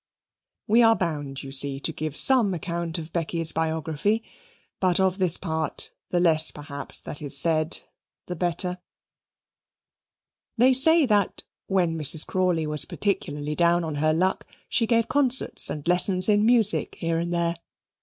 We are bound, you see, to give some account of Becky's biography, but of this part, the less, perhaps, that is said the better. They say that, when Mrs. Crawley was particularly down on her luck, she gave concerts and lessons in music here and there.